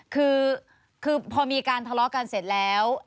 คือพอมีการทะเลาะกันเสร็จแล้ว